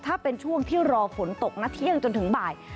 ถ้าเป็นช่วงที่รอฝนตกนะเที่ยงจนถึงบ่าย